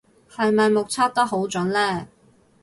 係咪目測得好準呢